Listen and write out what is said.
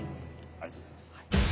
ありがとうございます。